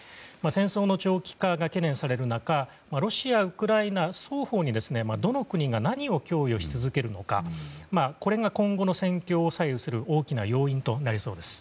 戦争の長期化が懸念される中ロシア、ウクライナ双方にどの国が何を供与し続けるのかこれが今後の戦況を左右する大きな要因となりそうです。